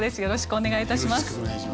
よろしくお願いします。